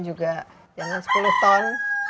jangan sepuluh ton